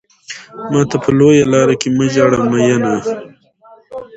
ماته په لويه لار کې مه ژاړه ميننه